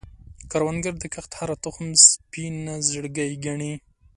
کروندګر د کښت هره تخم سپینه زړګی ګڼي